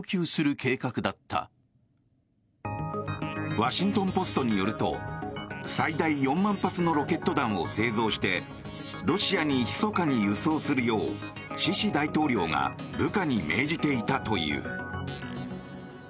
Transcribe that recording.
ワシントン・ポストによると最大４万発のロケット弾を製造してロシアにひそかに輸送するようシシ大統領が部下に命じていたという。